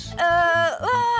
eee lo harus lebih hilang gue ya